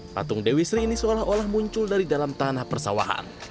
patung dewi sri ini seolah olah muncul dari dalam tanah persawahan